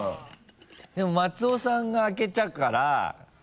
でも松尾さんが開けたから。